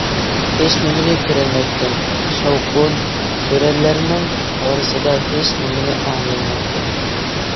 ھېچنېمىنى كۆرەلمەيتتىم، شاۋقۇن-سۈرەنلەرنىڭ ئارىسىدا ھېچنېمىنى ئاڭلىيالمايتتىم.